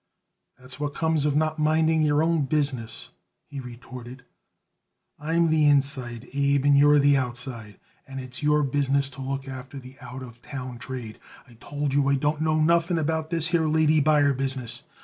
"That's what comes of not minding your own business," he retorted. "I'm the inside, Abe, and you're the outside, and it's your business to look after the out of town trade. I told you I don't know nothing about this here lady buyer business.